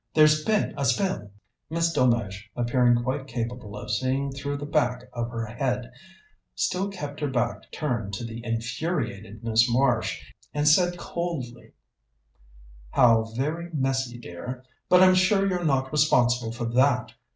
"There's been a spill." Miss Delmege, appearing quite capable of seeing through the back of her head, still kept her back turned to the infuriated Miss Marsh, and said coldly: "How very messy, dear! But I'm sure you're not responsible for that.